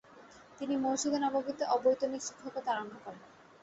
তিনি মসজিদে নববীতে অবৈতনিক শিক্ষকতা আরম্ভ করেন।